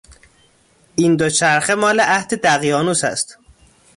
این دوچرخه مال عهد دقیانوس است.